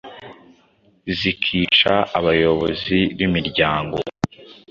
zikica abayobozi b’imiryango